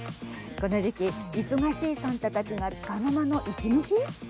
この時期、忙しいサンタたちがつかの間の息抜き。